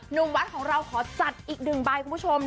หนุ่มวัดของเราขอจัดอีกหนึ่งใบคุณผู้ชม